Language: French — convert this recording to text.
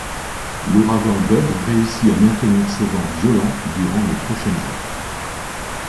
L'ouragan Bud réussit à maintenir ses vents violents durant les prochaines heures.